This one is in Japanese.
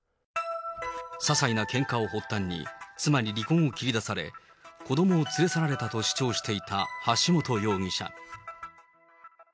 ささいなけんかを発端に、妻に離婚を切り出され、子どもを連れ去られたと主張していた橋本容疑者。